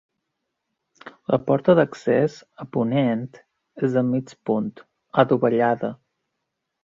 La porta d'accés, a ponent, és de mig punt, adovellada.